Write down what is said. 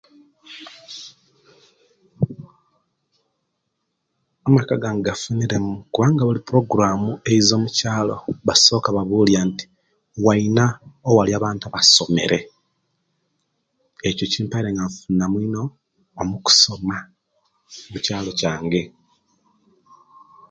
Amaka gange gafunile mu kubanga buli puroguramu eiza omukyalo basooka babulya nti waina owali abantu abasomele ekyo kimpaire nga nfuniramu ino omukusoma omukyalo kyange.